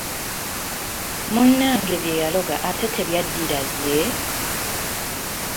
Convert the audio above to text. Munnange bye yaloga ate tebyaddira ye?